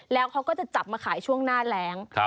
แล้วเขาก็จะจับมาขายช่วงหน้าแรง